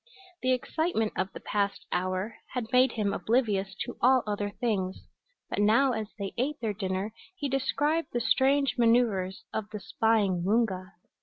The excitement of the past hour had made him oblivious to all other things, but now as they ate their dinner he described the strange maneuvers of the spying Woonga.